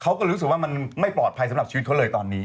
เขาก็รู้สึกว่ามันไม่ปลอดภัยสำหรับชีวิตเขาเลยตอนนี้